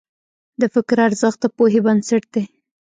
د فکر ارزښت د پوهې بنسټ دی.